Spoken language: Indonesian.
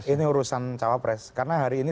ini urusan cawapres karena hari ini